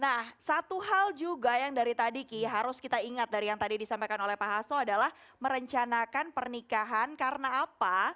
nah satu hal juga yang dari tadi ki harus kita ingat dari yang tadi disampaikan oleh pak hasto adalah merencanakan pernikahan karena apa